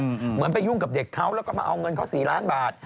เหมือนไปยุ่งกับเด็กเขาแล้วก็มาเอาเงินเขา๔ล้านบาท